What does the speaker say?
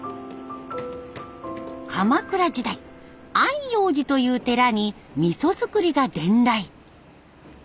鎌倉時代安養寺という寺にみそ造りが伝来。